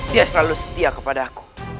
dia selalu setia kepada aku